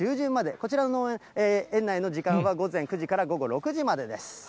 こちらの農園、園内の時間は午前９時から午後６時までです。